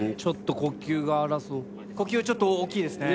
呼吸ちょっと大きいですね。